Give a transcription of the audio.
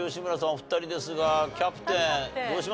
お二人ですがキャプテンどうします？